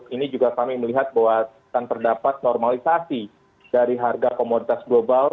jadi juga kami melihat bahwa akan terdapat normalisasi dari harga komoditas global